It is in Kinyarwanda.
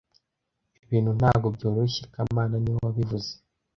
Ibintu ntabwo byoroshye kamana niwe wabivuze